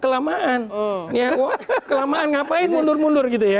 kelamaan ngapain mundur mundur gitu ya